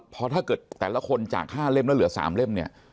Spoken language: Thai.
พอถ้าเกิดแต่ละคนจาก๕เล่มแล้วเหลือ๓เล่มเนี่ย